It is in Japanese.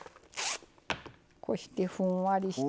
こうしてふんわりして。